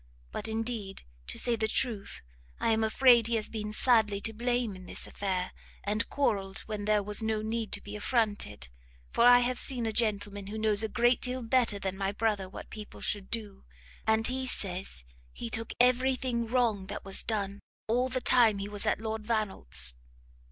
But indeed, to say the truth, I am afraid he has been sadly to blame in this affair, and quarrelled when there was no need to be affronted; for I have seen a gentleman who knows a great deal better than my brother what people should do, and he says he took every thing wrong that was done, all the time he was at Lord Vannelt's."